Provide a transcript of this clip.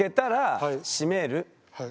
はい。